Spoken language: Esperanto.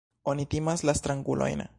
Oni timas la strangulojn.